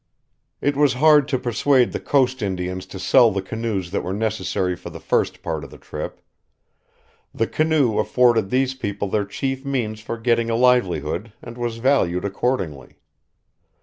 It was hard to persuade the coast Indians to sell the canoes that were necessary for the first part of the trip. The canoe afforded these people their chief means for getting a livelihood, and was valued accordingly.